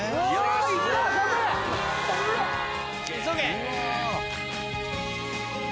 急げ。